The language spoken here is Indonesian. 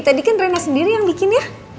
tadi kan rena sendiri yang bikin ya